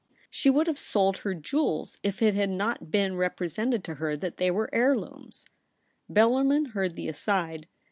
She would have sold MARY BEATON. her jewels if It had not been represented to her that they were heirlooms.' Bellarmin heard the aside.